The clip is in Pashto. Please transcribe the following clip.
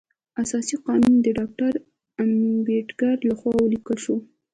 اساسي قانون د ډاکټر امبیډکر لخوا ولیکل شو.